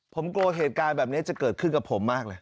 ผมกลัวเหตุการณ์แบบนี้จะเกิดขึ้นกับผมมากเลย